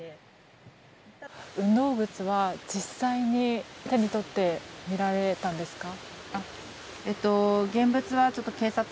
運動靴は実際に手に取って見られたんですか？